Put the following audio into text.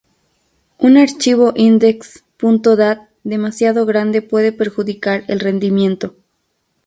Un archivo index.dat demasiado grande puede perjudicar el rendimiento.